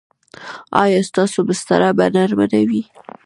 ایا ستاسو بستره به نرمه نه وي؟